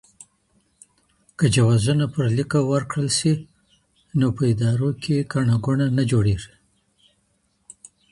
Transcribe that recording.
که جوازونه پر لیکه ورکړل سي، نو په ادارو کي ګڼه ګوڼه نه جوړیږي.